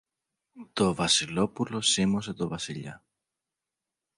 Το Βασιλόπουλο σίμωσε το Βασιλιά.